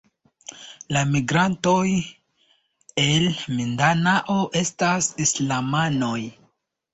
La migrantoj el Mindanao estas islamanoj.